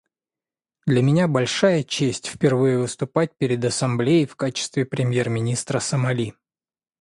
Для меня большая честь впервые выступать перед Ассамблеей в качестве премьер-министра Сомали.